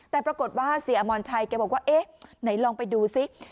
แต่ปรากฏว่าเสียอมรชัยแกบอกว่าเอ๊ะไหนลองไปดูซิ